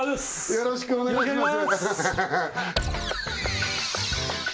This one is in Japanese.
よろしくお願いします！